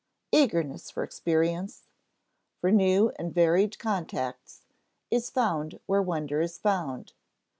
Eagerness for experience, for new and varied contacts, is found where wonder is found.